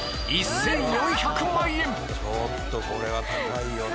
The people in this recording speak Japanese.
ちょっとこれは高いよね。